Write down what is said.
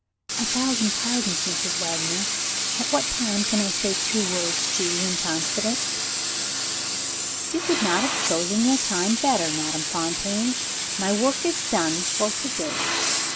"A thousand pardons, Mrs. Wagner! At what time can I say two words to you in confidence?" "You could not have chosen your time better, Madame Fontaine. My work is done for to day."